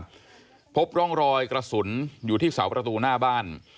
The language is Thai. บัตรฐานเพิ่มเติมนะครับพบรองรอยกระสุนอยู่ที่เสาประตูหน้าบ้าน